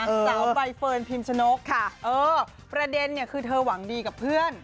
สาวใบเฟิร์นพิมชนกค่ะเออประเด็นเนี่ยคือเธอหวังดีกับเพื่อน